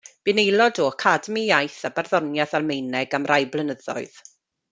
Bu'n aelod o Academi Iaith a Barddoniaeth Almaeneg am rai blynyddoedd.